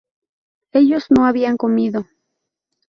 Ellos no habían comido